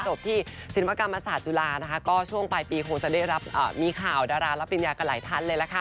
จบที่ศิลปกรรมศาสตร์จุฬานะคะก็ช่วงปลายปีคงจะได้รับมีข่าวดารารับปริญญากันหลายท่านเลยล่ะค่ะ